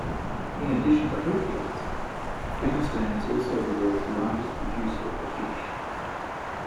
In addition to opiates, Afghanistan is also the world's largest producer of hashish.